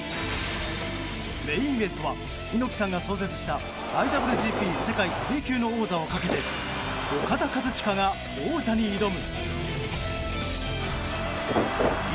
メインイベントは猪木さんが創設したＩＷＧＰ世界ヘビー級の王座をかけてオカダ・カズチカが王者に挑む！